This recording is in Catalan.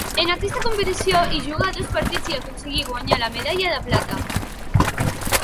En aquesta competició hi jugà dos partits i aconseguí guanyar la medalla de plata.